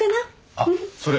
あっそれ